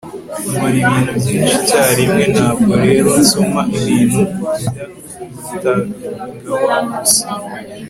Nkora ibintu byinshi icyarimwe ntabwo rero nsoma ibintu by Akutagawa gusa